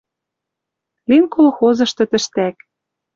Лин колхозышты тӹштӓк: